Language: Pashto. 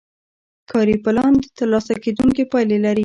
کاري پلان ترلاسه کیدونکې پایلې لري.